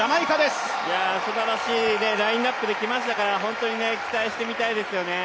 すばらしいラインナップで来ましたから、本当に期待して見たいですよね。